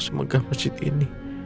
semegah masjid ini